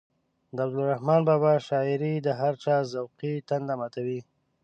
د عبدالرحمان بابا شاعري د هر چا ذوقي تنده ماتوي.